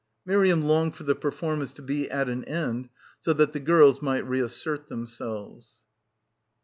Miriam longed for the performance to be at an end so that the girls might reassert themselves.